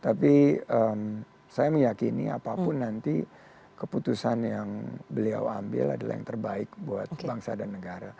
tapi saya meyakini apapun nanti keputusan yang beliau ambil adalah yang terbaik buat bangsa dan negara